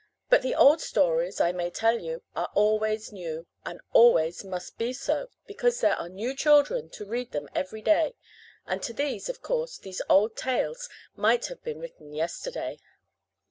But the old stories, I may tell you, are always new, and always must be so, because there are new children to read them every day, and to these, of course, these old tales might have been written yesterday.